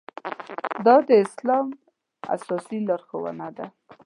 دا د اسلام اساسي لارښوونه ده.